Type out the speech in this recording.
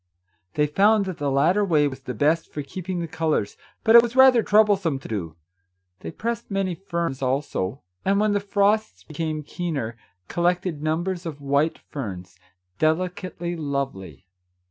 They found that the latter way was the best for keeping the colours, but it was rather troublesome to do. They pressed many ferns, also, and, when the frosts became keener, collected numbers of white ferns, deli cately lovely.